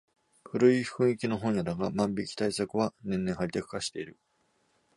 古い雰囲気の本屋だが万引き対策は年々ハイテク化している